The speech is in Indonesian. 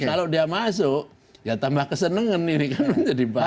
kalau dia masuk ya tambah kesenengan ini kan menjadi bahaya